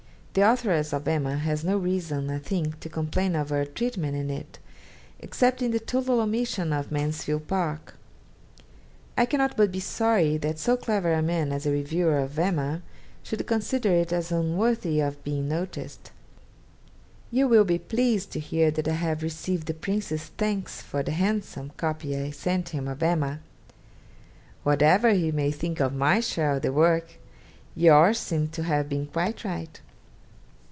The Authoress of "Emma" has no reason, I think, to complain of her treatment in it, except in the total omission of "Mansfield Park." I cannot but be sorry that so clever a man as the Reviewer of "Emma" should consider it as unworthy of being noticed. You will be pleased to hear that I have received the Prince's thanks for the handsome copy I sent him of "Emma." Whatever he may think of my share of the work, yours seems to have been quite right.